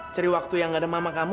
cari waktu yang gak ada mama kamu